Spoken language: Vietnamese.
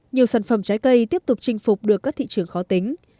nhiều sản phẩm trái cây tiếp tục chinh phục được các thị trường khó tính